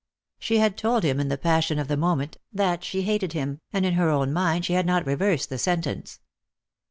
She had told him in the passion of the moment that she hated him, and in her own mind she had not reversed the sentence.